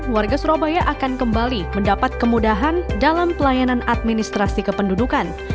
warga surabaya akan kembali mendapat kemudahan dalam pelayanan administrasi kependudukan